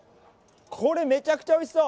これ、めちゃくちゃおいしそう。